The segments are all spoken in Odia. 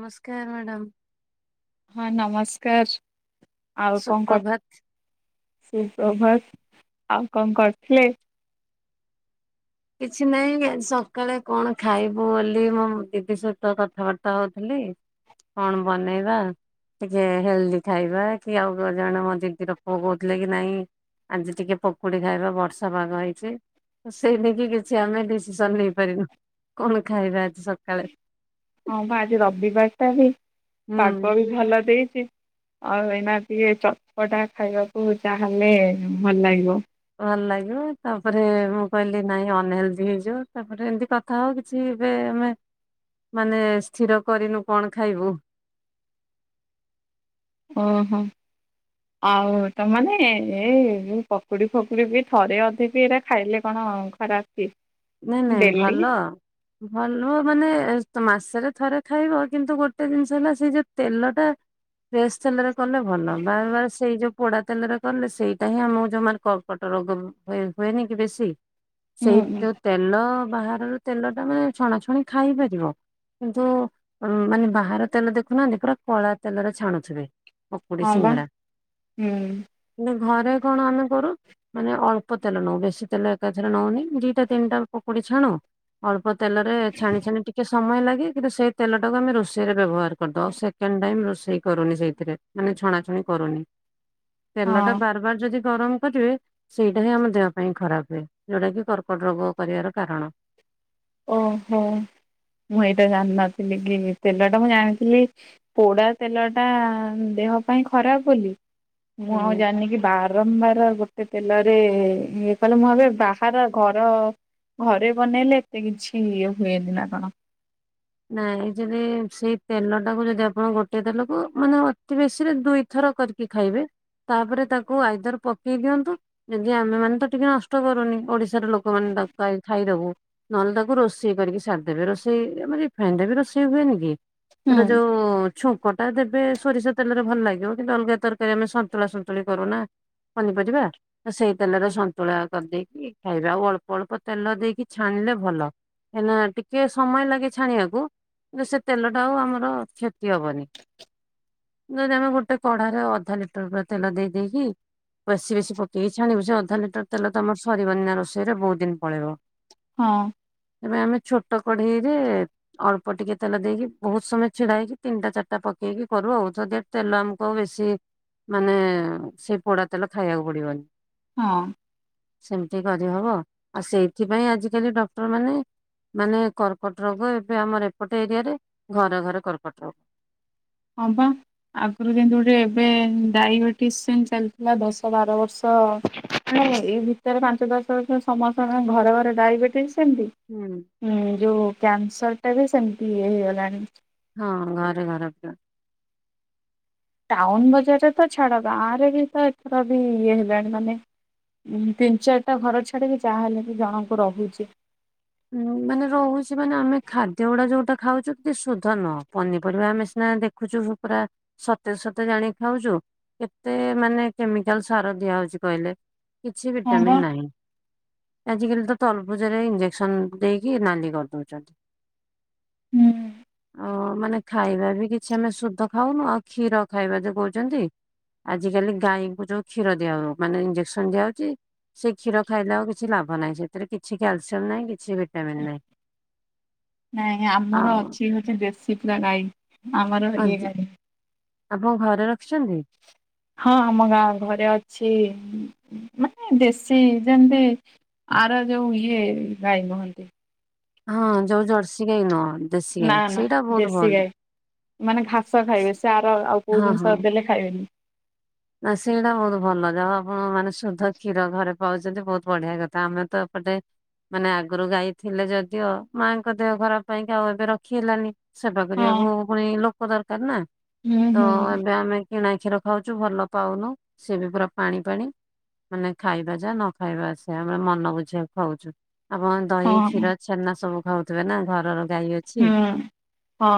ନମସ୍କାର ମ୍ୟାଡ଼ାମ୍। ହଁ ନମସ୍କାର ଆଉ କଣ କ ସୁପ୍ରଭାତ ସୁପ୍ରଭାତ ଆଉ କଣ କରୁଥିଲେ? କିଛି ନାଇଁ ସକାଳେ କଣ ଖାଇବୁ ବୋଲି ମୋ ଦିଦି ସହିତ କଥାବାର୍ତ୍ତା ହଉଥିଲି। କଣ ବନେଇବା ଟିକେ ହେଲ୍ଦି ଖାଇବା କି ଆଉ ଜଣେ ମୋ ଦିଦି ର ପୁଅ କହୁଥିଲେ କି ନାଇଁ ଆଜି ଟିକେ ପକୁଡି ଖାଇବା ବର୍ଷା ପାଗ ହେଇଛି ସେଇ କିଛି ଆମେ ଡିସିସନ ନେଇପାରିନୁ କଣ ଖାଇବା ଆଜି ସକାଳେ ହଁ ମୁଁ ଆଜି ରବିବାର ଟା ବି ହୁଁ। ପାଗ ବି ଭଲ ଦେଇଛି ଆଉ ଏଇନା ଟିକେ ଚଟ୍ପଟା ଖାଇବାକୁ ଚାହେଲେ ଭଲ ଲାଗିବ ଭଲ ଲାଗିବ ତାପରେ ମୁଁ କହିଲି ନାଇଁ ଅନହେଲଦି ହେଇଯିବ ତାପରେ ଏମତି କଥା ଆଉ କିଛି ଏବେ ଆମେ ମାନେ ସ୍ଥିର କରିନୁ କଣ ଖାଇବୁ ଓହୋ। ଆଉ ତମେ ମାନେ ଏଇ ଯୋଉ ପକୁଡି ଫକୁଡି ବି ଥରେ ଅଧେ ବି ଏଇରା ଖାଇଲେ କଣ ଖରାପ କି? ନାଇଁ ନାଇଁ ଡେଲି ଭଲ। ଭଲ ମାନେ ମାସରେ ଥରେ ଖାଇବ କିନ୍ତୁ ଗୋଟେ ଜିନିଷ ହେଲା ସେଇ ଯୋଉ ତେଲ ଟା ଫ୍ରେଶ ତେଲରେ କଲେ ଭଲ ବାରବାର ସେଇ ଯୋଉ ପୋଡା ତେଲରେ କଲେ ସେଇଟା ହିଁ ଆମକୁ ଜମା କ ପେଟରୋଗ ରୋଗ ହୁଏନି କି ବେଶୀ ହୁଁ ସେଇ ଯୋଉ ତେଲ ବାହାରର ତେଲ ତମେ ଛଣାଛଣି ଖାଇପାରିବ କିନ୍ତୁ ମାନେ ବାହାର ତେଲ ଦେଖୁନାହାନ୍ତି ପୁରା କଳା ତେଲରେ ଛାଣୁଥିବେ ପକୁଡ଼ି ହଁ ବା ସିଙ୍ଗେଡ଼ା। ହୁଁ ନା ଘରେ କଣ ଆମେ କରୁ ମାନେ ଅଳ୍ପ ତେଲ ନଉ ବେଶୀ ତେଲ ଏକାଥରେ ନଉନି ଦିଟା ତିନିଟା ପୋକୁଡି ଛାଣ ଅଳ୍ପ ତେଲରେ ଛାଣି ଛାଣି ଟିକେ ସ୍ ସମୟ ଲାଗେ କିନ୍ତୁ ସେଇ ତେଲଟାକୁ ଆମେ ରୋଷେଇରେ ବ୍ୟବହାର କରିଦଉ ଆଉ ସେକେଣ୍ଡ ଟାଇମ ରୋଷେଇ କରୁନି ସେଇଥିରେ। ମାନେ ଛଣାଛଣି କରୁନି ତେଲ ଟା ହଁ ବାରବାର ଯଦି ଗରମ କରିବେ ସେଇଟା ହିଁ ଆମ ଦେହ ପାଇଁ ଖରାପ ହୁଏ। ଯୋଉଟା କି କର୍କଟ ରୋଗ କରିବାର କାରଣ ଓହୋ ମୁଁ ଏଇଟା ଜାଣିନଥିଲି କି ତେଲ ଟା ମୁଁ ଜାଣିଥିଲି ପୋଡା ତେଲ ଟା ଦେହ ପାଇଁ ଖରାପ ବୋଲି ମୁଁ ଆଉ ଆଜ୍ଞା। ଜାଣିକି ବା ବାରମ୍ବାର ଗୋଟେ ତେଲରେ ଇଏ କଲେ ମୁଁ ଭାବେ ବାହାର ଘର ଘରେ ବନେଇଲେ ଏତେ କିଛି ଇଏ ହୁଏନି ନା କଣ। ନାଇଁ ଯଦି ସେଇ ତେଲ ଟାକୁ ଯଦି ଆପଣ ଗୋଟେ ତେଲକୁ ମାନେ ଅତି ବେଶୀ ରେ ଦୁଇଥର କରି କି ଖାଇବେ। ତାପରେ ତାକୁ ଆଇଦର ପକେଇ ଦିଅନ୍ତୁ ଯଦି ଆମେ ମାନେ ତ ଟିକେ ନଷ୍ଟ କରୁନି ଓଡିଶ୍ ଥରେ ଲୋକମାନେ ତାକୁ ଖାଇଦବୁ ନହେଲେ ତାକୁ ରୋଷେଇ କରିକି ସାରିଦେବେ ରୋଷେଇ ମାନେ ହାଣ୍ଡିରେ ରୋଷେଇ ହୁଏନି କି ହୁଁ। ଧରା ଯାଉ ଛୁଙ୍କ ଟା ଦେବେ ସୋରିଷ ତେଲରେ ଭଲ ଲାଗିବ କିନ୍ତୁ ଅଲଗା ତରକାରୀ ଆମେ ସନ୍ତୁଳା ସନ୍ତୁଳି କରୁନା। ପନିପରିବା? ସେଇ ତେଲରେ ସନ୍ତୁଳା କରିଦେଇକି ଖାଇବା ଆଉ ଅଳ୍ପ ଅଳ୍ପ ତେଲ ଦେଇକି ଛାଣିଲେ ଭଲ। କାଇଁ ନା ଟିକେ ସମୟ ଲାଗେ ଛାଣିବାକୁ। କୁ କିନ୍ତୁ ସେ ତେଲଟା ଆଉ ଆମର କ୍ଷତି ହବନି। ଯଦି ଆମେ ଗୋଟେ କଢାରେ ଅଧା ଲିଟର ପୁରା ତେଲ ଦେଇଦେଇକି ବେଶୀ ବେଶୀ ପକେଇ ଛାଣିବୁ ସେ ଅଧା ଲିଟର ତେଲ ଆମର ସରିବନିଆ ରୋଷେଇରେ ବହୁତ ଦିନ ପଳେଇବ। ହଁ। ଏବେ ଆମେ ଛୋଟ କଢେଇ ରେ ଅଳ୍ପ ଟିକେ ତେଲ ଦେଇକି ବହୁତ ସମୟ ଛିଡା ହେଇକି ତିନିଟା ଚାରିଟା ପକେଇକି କରୁ ଆଉ। ଶୋ ଦ୍ୟାଟ ତେଲ ଆମକୁ ଆଉ ବେଶୀ ମାନେ ସେ ପୋଡା ତେଲ ଖାଇବାକୁ ପଡିବନି। ହଁ। ସେମତି କରିହବ। ଆଉ ସେଇଥିପାଇଁ ଆଜିକାଲି ଡକ୍ଟର ମାନେ ମାନେ କର୍କଟ ରୋଗ ଏବେ ଆମର ଏପଟେ ଏରିଆରେ ଘରେ ଘରେ କର୍କଟ ରୋ। ହଁ ପା। ଆଗୁରୁ ଯେମତୀ ଗୋଟେ ଏବେ ଡାଇବେଟିସ ସେଏନ୍ତି ଚାଲିଥିଲା ଦଶ ବାର ବର୍ଷ ନାଇଁ ଏଇ ଭିତରେ ପାଞ୍ଚ ଦଶ ବର୍ଷ ସମସ୍ତଙ୍କ ଘର ଘରେ ଡାଇବେଟିସ୍ ସେମିତି। ହୁଁ। ହୁଁ ଯୋଉ କ୍ୟାନସର ଟା ବି ସେମିତି ଇଏ ହେଇଗଲାଣି। ହଁ ଘର ଘରେ ପୁରା। ଟାଉନ ବଜାରରେ ତ ଛାଡ଼ ଗାଁ ରେ ବି ତ ଏପଟ ବି ଇଏ ହେଲାଣି ମାନେ। ଉଁ ତିନ ଚାରିଟା ଘର ଛାଡିକି ଯାହାହେଲେ କି ଜଣଙ୍କୁ ରହୁଚି। ହୁଁ ମାନେ ରହୁଚି ମାନେ ଆମେ ଖାଦ୍ୟ ଗୁଡା ଯୋଉଟା ଖାଉଚେ ସୁଦ୍ଧ ନୁହ। ପନିପରିବା ଆମେ ସିନା ଦେଖ ଖୁଚୁ ପୁରା। ସତେଜ ସତେଜ ଆଣିକି ଖାଉଚୁ। କେତେ ମାନେ କେମିକାଲ ସାର ଦିଆହଉଚି କହିଲେ। କିଛି ହଁ ବା ଭିଟାମନ୍ ନାହିଁ। ଆଜି କାଲି ତ ତରଭୂଜରେ ଇଞ୍ଜେ ସନ ଦେଇକି ନାଲି କରିଦଉଚନ୍ତି। ହୁଁ। ହ ମାନେ ଖାଇବା ବି କିଛି ଆମେ ସୁଦ୍ଧ ଖାଉନୁ। ଆଉ କ୍ଷୀର ଖାଇବା ଯେ କଉଚନ୍ତି। ଆଜିିକାଲି ଗାଈଙ୍କୁ ଯୋଉ କ୍ଷୀର ଦିଆ ହଉ ମାନେ ଇଞ୍ଜେକ୍ସନ ଦିଆହଉଚି। ସେ କ୍ଷୀର ଖାଇଲେ ଆଉ କିଛି ଲାଭ ନାହିଁ। ସେଥିରେ କିଛି କ୍ୟାଲ ଟାମିନ ନାଇଁ କିଛି ଭିଟାମିନ୍ ନାଇଁ। ନାଇଁ ଆମର ଅଛି ହଉଚି ଦେଶୀ ପୁରା ଗାଈ। ଆମର ଇଏ ଆଉ ଗାଈ ନୁହେଁ। ଆପଣ ଘରେ ରଖିଚନ୍ତି। ହଁ ଆମ ଗାଁ ଘରେ ଅଛି ଉଁ। ମାନେ ଦେଶୀ ଯେମିତି ଆର ଯୋଉ ଇଏ ଗାଈ ମୁହଁନ୍ତି। ହଁ ଯୋଉ ଜର୍ସି ଗାଈ ନୁହଁ। ଦେଶୀ ଗାଈ ନା-ନା ସେଇଟା ବହୁତ ଦେଶୀ ଭଲ। ଗାଈ ମାନେ ଘାସ ଖାଇବେ। ସେ ଆର ଆଉ କୋଉ ହଁ ହଁ ଜିନିଷ ଦେଲେ ଖାଇବେନି। ନା ସେଇଗୁଡ଼ା ବହୁତ ଭଲ ଯାହା ଆପଣ ମାନେ ସୁଦ୍ଧ କ୍ଷୀର ଘରେ ପାଉଚନ୍ତି। ବହୁତ ବଢିଆ କଥା। ଆମେ ତ ଏପଟେ ମାନେ ଆଗରୁ ଗାଈ ଥିଲେ ଯଦିଓ ମାଙ୍କ ଦେହ ଖରାପ ପାଇଁ କା ଆଉ ଏବେ ରଖି ହେଲାନି। ସେବା ହଁ କରିବାକୁ ପୁଣି ଲୋକ ଦରକାର ନା। ହୁଁ ତ ହୁଁ ଏବେ ଆମେ କିଣା କ୍ଷୀର ଖାଉଚୁ ଭଲ ପାଉନୁ। ସେବି ପୁରା ପାଣି-ପାଣି। ମାନେ ଖାଇବା ଯା ନ ଖାଇବା ସେୟା ଆମର ମନ ବୁଝେଇବାକୁ ଖାଉଚୁ। ଆପଣ ଦହି ହଁ କ୍ଷୀର ଛେନା ସବୁ ଖାଉଥିବେ ନା? ଘରର ଗାଈ ଅଛି ହୁଁ ହଁ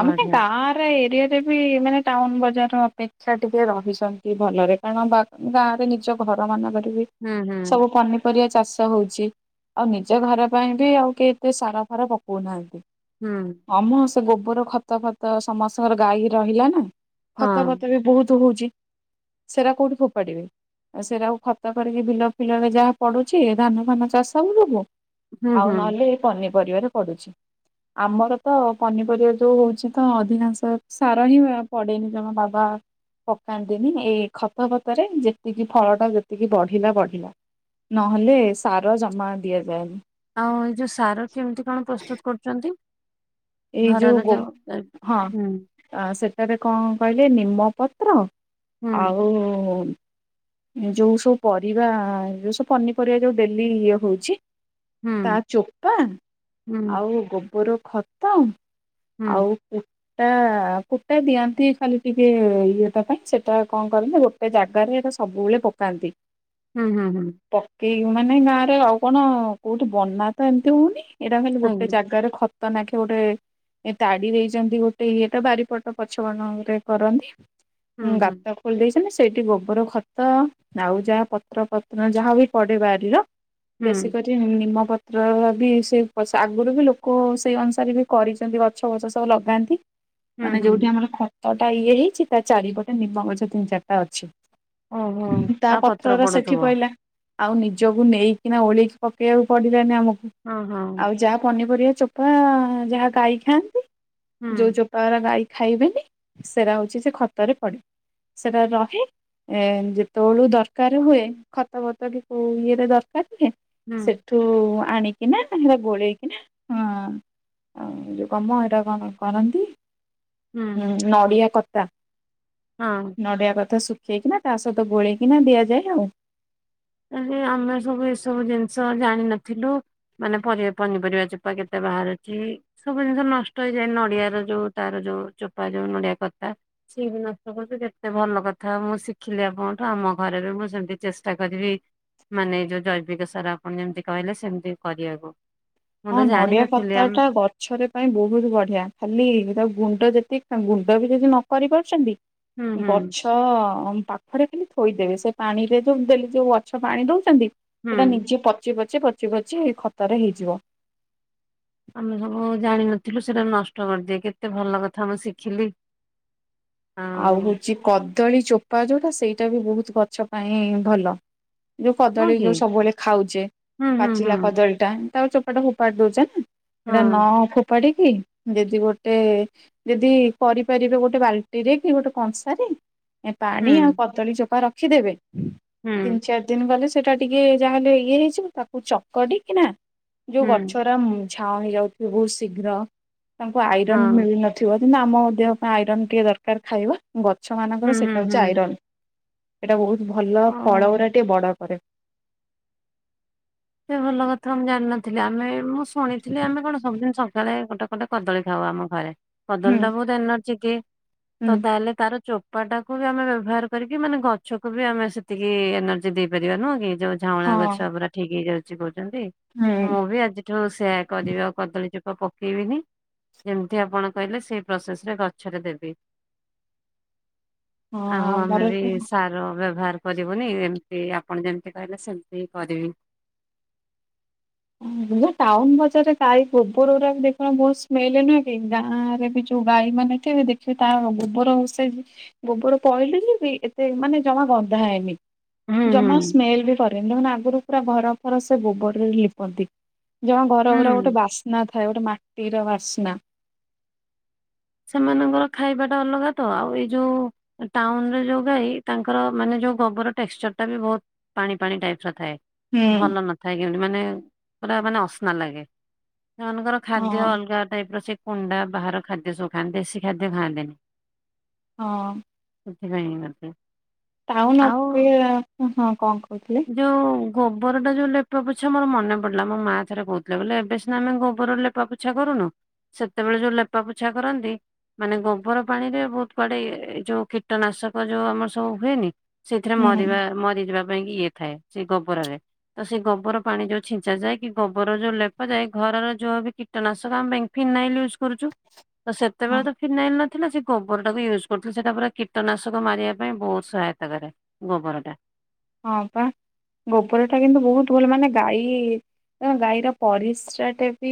ଆମୋ କେଁ ବଢିଆ। ଗାଁରେ ଏରିଆ ଜେବି ମାନେ ଟାଉନ ବଜାର ଅପେକ୍ଷା ଟିକେ ରହିଛନ୍ତି ଭଲରେ। କାରଣ ବା ଗାଁ ରେ ନିଜ ଘର ମାନଙ୍କରେ ବି ହୁଁ ହୁଁ ସବୁ ପନିପରିବା ଚାଷ ହଉଚି। ଆଉ ନିଜ ଘର ପାଇଁ ବି ଆଉ କେତେ ସାରା ଘର ପକଉନାହାନ୍ତି। ହୁଁ। ହଁମ ସେ ଗୋବର ଖତ ଫତ ସମସ୍ତଙ୍କର ଗାଈ ରହିଲା ନା। ହଁ ଖତ ଫତ ବି ବହୁତ ହଉଚି। ସେରା କଉଠି ଫୋପାଡିବେ। ଆଉ ସେଇଟାକୁ ଖତ କରିକି ବିଲ ଫିଲରେ ଯାହା ପଡୁଛି ଧାନ ଫାନ ଚାଷ ଉବୁପୁ। ହୁଁ ଆଉ ହୁଁ ନହେଲେ ଏ ପନିପରିବାରେ ପଡୁଛି। ଆମର ତ ପନିପରିବା ଯୋଉ ହଉଚି ତ ଅଧିକାଂଶ ସାର ହିଁ ପଡ଼େନି ଜମା ବାବା। ପକାନ୍ତିନି। ଏଇ ଖତ ଫତରେ ଯେତିକି ଫଳ ଟା ଯେତିକି ବଢିଲା-ବଢିଲା। ନହେଲେ ସାର ଜମା ଦିଆଯାଏନି ଆଉ ଏଇ ଯୋଉ ସାର କେମିତି କଣ ପ୍ରସ୍ତୁତ କରୁଛନ୍ତି ଏଇ ଘରର ଯୋଉ ଏ, ହଁ ହୁଁ ସେଠାରେ କଣ କହିଲେ ନିମପତ୍ର ହୁଁ ଆଉ ଯେଉଁ ସବୁ ପରିବା ଯେଉଁ ସବୁ ପନିପରିବା ଯେଉଁ ଡେଲି ଇଏ ହଉଛି ହୁଁ ତା ଚୋପା ହୁଁ ଆଉ ଗୋବର ଖତ ହୁଁ ଆଉ ତା କୁଟା ଦିଅନ୍ତି ଖାଲି ଟିକେ ଇଏଟା ପାଇଁ ସେଟା କଣ କରନ୍ତି ଗୋଟେ ଜାଗାରେ ସବୁବେଳେ ପକାନ୍ତି ହୁଁ ହୁଁ ହୁଁ ପକେଇ ମାନେ ଗାଁରେ ଆଉ କଣ କୋଉଠି ବନା ତ ଏମିତି ହଉନି। ଏଇଟା କଲେ ଗୋଟେ ଆଜ୍ଞା ଜାଗାରେ ଖ ତ ନାଖେ ଗୋଟେ ତାଡି ଦେଇଛନ୍ତି ଗୋଟେ ଇଏଟା ବାରିପଟ ପଛଗଣରେ କରନ୍ତି। ହୁଁ ହୁଁ ଗତ ଖୋଲି ଦେଇଛନ୍ତି ନା ସେଇଠି ଗୋବର ଖତ ତ ଆଉ ଯାହା ପତ୍ର ପତ୍ର ଯାହା ବି ପଡ଼ିପାରିବ ହୁଁ ବେଶୀ କରି ନିମପତ୍ର ବି ସେ ଆଗରୁ ବି ଲୋକ ସେଇ ଅନୁସାରେ ବି କରିଛନ୍ତି। ଛ ବଛ ସବୁ ଲଗାନ୍ତି। ହୁଁ ମାନେ ହୁଁ ଯୋଉଠି ଆମର ଖତ ଟା ଇଏ ହେଇଛି ତା ଚାରିପଟେ ନିମ୍ବ ଗଛ ତିନି ଚାରିଟା ଅଛି। ଓହୋ ତା ପତ୍ର ପତ୍ରର ସେଠି ପଡୁଥିବ ପଇଲା ଆଉ ନିଜକୁ ନେଇକିନା ଓଳେଇକି ପକେଇବାକୁ ପଡିଲାନି ଆମକୁ। ହଁ ହଁ ଆଉ ଯାହା ପନିପରିବା ଚୋ ପା ଯାହା ଗାଈ ଖାଆନ୍ତି ହୁଁ ଯୋଉ ଚୋ ପା ରା ଗାଈ ଖାଇବେନି ସେଟା ହଉଛି ସେ ଖତରେ ପଡି। ସେଟା ରହେ ଏ ଯେତେବେଳୁ ଦରକାର ହୁଏ ଖତ ଭତ କି କୋଉ ଇଏରେ ଦରକାର ହୁଏ ହୁଁ ସେ ଠୁ ଆଣିକିନା ଆମର ଗୋଳେଇକିନା ହଁ ଆଉ ଏ ଯୋଉ କଣ ମ ହେଟା କଣ କରନ୍ତି ହୁଁ ନଡ଼ିଆ କତା ହଁ ନଡ଼ିଆ କତା ଶୁଖେଇକିନା ତା ସହିତ ଗୋଳେଇକିନା ଦିଆଯାଏ ଆଉ। ହେଲେ ଆମେ ସବୁ ଏସବୁ ଜିନିଷ ଜାଣିିନଥିଲୁ ମାନେ ପରିବା ପନିପରିବା ଚୋ ଚୋପା କେତେ ବାହାରୁଛି। ସବୁ ଜିନିଷ ନଷ୍ଟ ହେଇଯାଏ ନଡିଆର ଯୋଉ ତାର ଯୋଉ ଚୋପା ଯୋଉ ନଡିଆ କତା। ସିଏ ବି ନଷ୍ଟ କରୁଛି କେତେ ଭଲ କଥା ମୁଁ ଶିଖିଲି ଆପଣଙ୍କଠୁ ଆମ ଘରେ ବି ମୁଁ ସେମିତି ଚେଷ୍ଟା କରିବି। ମାନେ ଏଇ ଯୋଉ ଜୈବିକ ସାର ଆପଣ ଯେମିତି କହିଲେ ସେମିତି କରିବାକୁ। ମୁଁ ତ ହଁ ନଡିଆ ଜାଣିନଥିଲି ଆମ କତାଟା ବର୍ ଗଛର ପାଇଁ ବହୁତ ବଢିଆ ଖାଲି ତା ଗୁଣ୍ଡ ଯେତିକି ଗୁଣ୍ଡ ବି ଯଦି ନ କରି ପାରୁଛନ୍ତି ହୁଁ ହୁଁ ଗଛ ତ ପାଖରେ ଖାଲି ଥୋଇଦେବେ ସେ ପାଣିରେ ଯୋଉ ଡେଲି ଯୋଉ ଗଛ ପାଣି ଦେଉଛନ୍ତି। ହୁଁ। ସେଇଟା ନିଜେ ପଚି ପଚି ପଚି ପଚି ଖତରେ ହେଇଯିବ। ଆମେ ସବୁ ଜାଣିିନଥିଲୁ ସେଟା ନଷ୍ଟ କରିଦିଏ କେତେ ଭଲ କଥା ମୁଁ ଶିଖିଲି। ଆଉ ହଉଛି କଦଳୀ ଚୋପା ଯୋଉଟା ସେଇଟା ବି ବହୁତ ଗଛ ପାଇଁ ଭଲ। ଯୋଉ ହଁ କଦଳୀ କି ଯୋଉ ସବୁବେଳେ ଖାଉଛେ ହୁଁ ହୁଁ ହୁଁ ପାଚିଲା କଦଳୀ ଟା ତାର ଚୋପାଟା ଫୋପାଡ଼ି ଦଉଛ ନା ହଁ ସେଇଟା ନ ଫୋ ପାଡ଼ିକି ଯଦି ଗୋଟେ ଯଦି କରିପାରିବେ ଗୋଟେ ବାଲ୍ ଟିରେ କି ଗୋଟେ କଂସାରେ ହୁଁ ପାଣି ଆଉ କଦଳୀ ଚୋପା ରଖିଦେବେ। ହୁଁ। ତିନି ଚାରି ଦିନ ଗଲେ ସେଟା ଟିକେ ଯାହାହେଲେ ଇଏ ହେଇଯିବ ତାକୁ ଚକଟି କିନା ଯୋଉ ହୁଁ ଗଛରା ଝାଉଁଳି ଯାଉଥିବେ ବହୁତ ଶୀଘ୍ର ତାଙ୍କୁ ହଁ ଆଇରନ୍ ମିଳିନ ଥିବ କିନ୍ତୁ ଆମ ଦେହ ପାଇଁ ଆଇରନ୍ ଟିକେ ଦରକାର ଖାଇବା ଗଛ ହୁଁ ମାନଙ୍କର ସେ ହୁଁ ଟା ହଉଛି ହୁଁ ଆଇରନ୍ ଏଇଟା ବହୁତ ଭଲ ଓ ଫଳ ଗୁଡ଼ା ଟିକେ ବଡ଼ କରେ। ସେ ଭଲ କଥା ମୁଁ ଜାଣିନଥିଲି ଆମେ ମୁଁ ଶୁଣିଥିଲି ଆମେ କଣ ସବୁଦିନ ସକାଳେ ଗୋଟେ ଗୋଟେ କଦଳୀ ଖାଉ ଆମ ଘରେ କଦଳୀ ହୁଁ ଟା ବହୁତ ଏନର୍ଜି କି ହୁଁ ତ ତାହେଲେ ତାର ଚୋ ପାଟାକୁ ବି ଆମେ ବ୍ୟବହାର କରିକି ମାନେ ଗଛକୁ ବି ଆମେ ସେତିକି ଏନର୍ଜି ଦେଇପାରିବା ନୁହଁ କି ଯୋଉ ଝାଉଁଳା ହଁ ଗଛ ପୁରା ଠିକ ହେଇଯାଉଛି କହୁଛନ୍ତି ହୁଁ ମୁଁ ବି ଆଜି ଠୁ ସେଇଆ କରିବି ଆଉ କଦଳୀ ଚୋପା ପକେଇବିନି ଯେମିତି ଆପଣ କହିଲେ ସେଇ ପ୍ରୋସେସ ରେ ଗଛରେ ଦେବି [unintelligible] ଆଉ ଆମେ ଆମର ବି ତ ସାର ବ୍ୟବହାର କରିବୁନି ଏମିତି ଆପଣ ଯେମିତି କହିଲେ ସେମିତି ହିଁ କରିବି ମୁଁ ଟାଉନ ବଜାରରେ ଗାଈ ଗୋବର ଗୁଡା ବି ଦେଖ ବହୁତ ସ୍ମେଲ ନୁହେଁ କି ଗାଁ ରେ ବି ଯୋଉ ଗାଈ ମାନେ କେବେ ଦେଖିବେ ତା ଗୋବର ହସ ଗୋବର ପହିଲି ଯିବି ଏତେ ମାନେ ଜମା ଗନ୍ଧାଏନି ହୁଁ ହୁଁ ଜମା ସ୍ମେଲ ବି କରେନି ଦେଖୁନୁ ଆଗରୁ ପୁରା ଘର ଫର ସେ ଗୋବରରେ ଲିପନ୍ତି ଜଣ ଘରରା ହୁଁ ଗୋଟେ ବାସ୍ନା ଥାଏ ଗୋଟେ ମାଟିର ବାସ୍ନା ସେମାନଙ୍କର ଖାଇବାଟା ଅଲଗା ତ। ଆଉ ଏଇ ଯୋଉ ଟାଉନରେ ଯୋଉ ଗାଈ ତାଙ୍କର ମାନେ ଯୋଉ ଗୋବର ଟେକ୍ସଚର ଟା ବି ବହୁତ ପାଣି ପାଣି ଟାଇପସରଥାଏ। ହୁଁ ଭଲ ନଥାଏ କେମିତି ମାନେ [inaudible] ପୁରା ମାନେ ଅସ୍ନା ଲାଗେ [inaudible] ସେମାନଙ୍କର ଖାଦ୍ୟ ହଁ ଅଲଗା ଟାଇପ ର ସେ କୁଣ୍ଡା ବାହାର ଖାଦ୍ୟ ସବୁ ଖାଆନ୍ତି ଦେଶୀ ଖାଦ୍ୟ ଖାଆନ୍ତେନି। ହଁ। ଖାଇ ନଥାନ୍ତି। ଟାଉନ ଅ [inaudible] ପେରା ହଁ କଣ କହୁଥିଲି? ଯଉ ଗୋବର ଟା ଯୋଉ ଲେପା ପୋଛା ମୋର ମନେ ପଡିଲା। ମୋ ମା ଥରେ କହୁଥିଲେ ଏବେ ସିନା ଆମେ ଗୋବରରେ ଆମେ ଲେପା ପୋଛା କରୁନୁ ସେତେବେଳେ ଯୋଉ ଲେପା ପୋଛା କରନ୍ତି। ମାନେ ଗୋବର ପାଣିରେ ବହୁତ କୁଆଡେ ଇଏଏ ଏ ଯୋଉ କୀଟନାଶକ ଯୋଉ ଆମର ସବୁ ହୁଏନି ସେଥିରେ ହୁଁ ମରିବା ମରିଯିବା ପାଇଁ ଇଏ ଥାଏ ସେ ଗୋବରରେ ତ ସେ ଗୋବର ପାଣି ଯୋଉ ଛିଞ୍ଚା ଯାଏ କି ଗୋବର ଯୋଉ ଲେପ ଯାଏ ଘରର ଯୋଉ ବି କିଟ କୀଟନାଶକଙ୍କ ପାଇଁ ଫିନାଇଲ ୟୁଜ୍ କରୁଛୁ। ତ ହଁ ସେତେବେଳେ ତ ଫିନାଇଲ ନଥିଲା ସେ ଗୋବର ଟାକୁ ୟୁଜ୍ କରୁଥିଲେ ସେଟା ପୁରା କୀଟନାଶକ ମାରିବା ପାଇଁ ବହୁତ ସହାୟତା କରେ। ଗୋବର ଟା। ହଁ ପା [inaudible] ଗୋବର ଟା କିନ୍ତୁ ବହୁତ ଭଲ ମାନେ ଗାଈ କଣ ଗାଈର ପରିସ୍ରା ଟେ ବି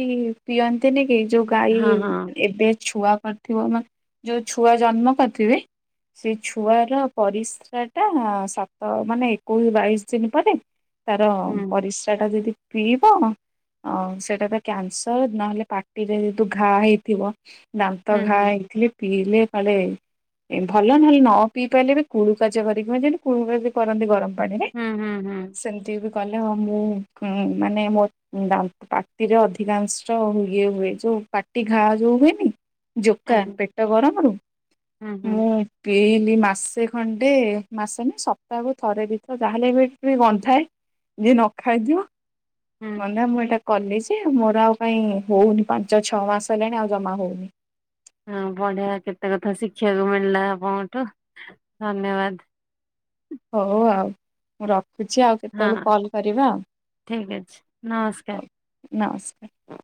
ପିଅନ୍ତିନି କି ଯୋଉ ଗାଈ ହଁ ହଁ ଏବେ ଛୁଆ କରିଥିବ ମାନେ [inaudible] ଯୋଉ ଛୁଆ ଜନ୍ମ କରିଥିବେ ସେ ଛୁଆର ପରିସ୍ରା ଟା ସତ ମାନେ କୋଉ ବାଇଶି ଦିନ ପରେ [inaudible] ତାର ହୁଁ। ପରିସ୍ରା ଟା ଯେମିତି ପିଇବ ହଁ [inaudible] ଓ ସେଇଟା ତ କ୍ୟାନସର ନହେଲେ ପାଟିରେ ତୁ ଘା ହେଇଥିବ। ଦାନ୍ତ ହୁଁ ଘା ହୁଁ ହେଇଥିଲେ ପିଇଲେ କାଳେ ଭଲ ନହେଲେ ନ ପିଇ ପାରଲେ ବି କୁଳୁ କାଜ କରିକି କୁଳୁକାଚ କରନ୍ତି ଗରମ ପାଣିରେ। ହୁଁ। ହୁଁ। ହୁଁ। ସେମିତି ବି କଲେ ହ ମୁଁ ଉଁ ମାନେ ମୋର ଉ ଦାନ୍ତ ପାଟିରେ ଅଧିକାଂଶ ଇଏ ହୁଏ ଯୋଉ ପାଟି ଘା ଯୋଉ ହୁଏନି। ଜୋକା ଆଜ୍ଞା ପେଟ ଗରମରୁ ହୁଁ [inaudible] ହୁଁ ମୁଁ। ହେଇନି ମାସେ ଖଣ୍ଡେ, ମାସେ ନା ସପ୍ତାହକୁ ଥରେ ବି ତ ତାହେଲେ ଏବେ ଏବେ ଗନ୍ଧାଏ [inaudible] ଯିଏ ନ ଖାଇଥିବ ହୁଁ। [inaudible] ଗନ୍ଧା ମୁଁ ଏଇଟା କଲି ଯେ ମୋର ଆଉ କାଇଁ ହଉନି ପାଞ୍ଚ ଛଅ ମାସ ହେଲାଣି ଆଉ ଜମା ହଉନି। ହଁ ବଢ଼ିଆ କେତେ କଥା ଶିଖିବାକୁ ମିଳିଲା ଆପଣଙ୍କଠୁ ଧନ୍ୟବାଦ। ହଉ ଆଉ [inaudible] ମୁଁ ରଖୁଛି ଆଉ। କେତେବେଳୁ ହଁ କଲ୍ କରିବା ଠିକ ଅଛି [inaudible] ନମସ୍କାର। ହଉ [inaudible] ନାସ